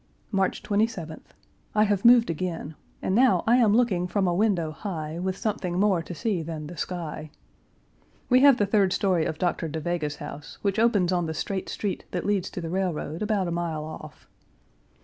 March 27th. I have moved again, and now I am looking from a window high, with something more to see than the sky. We have the third story of Dr. Da Vega's house, which opens on the straight street that leads to the railroad about a mile off.